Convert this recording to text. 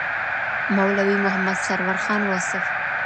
مولوي محمدسرور خان واصف